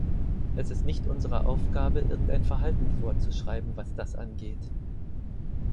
Es ist nicht unsere Aufgabe, irgendein Verhalten vorzuschreiben, was das angeht.